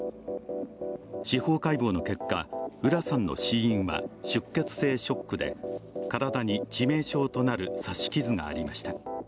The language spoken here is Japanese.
司法解剖の結果、浦さんの死因は出血性ショックで体に致命傷となる刺し傷がありました。